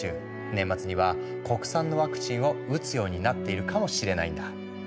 年末には国産のワクチンを打つようになっているかもしれないんだ。